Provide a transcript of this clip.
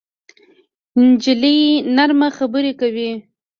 نجلۍ نرمه خبرې کوي.